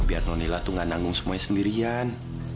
biar nonila tuh gak nanggung semuanya sendirian